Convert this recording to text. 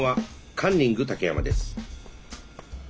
カンニング竹山です。